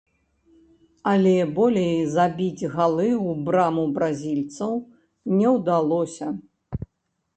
Але болей забіць галы ў браму бразільцаў не удалося.